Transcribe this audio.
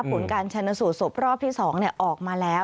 ผลการชนสูตรศพรอบที่๒ออกมาแล้ว